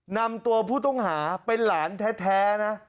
นำตัวผู้ต้องหาเป็นหลานแท้นะ